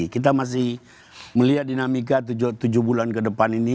kita masih melihat dinamika tujuh bulan ke depan ini